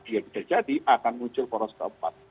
dia bisa jadi akan muncul poros keempat